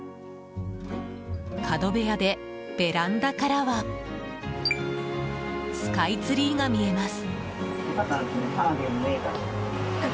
角部屋でベランダからはスカイツリーが見えます。